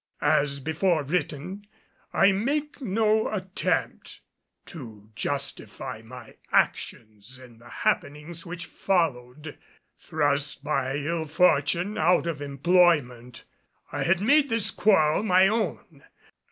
As before written, I make no attempt to justify my actions in the happenings which followed. Thrust by ill fortune out of employment, I had made this quarrel my own.